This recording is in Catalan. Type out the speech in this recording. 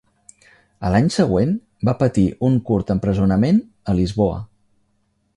A l'any següent va patir un curt empresonament a Lisboa.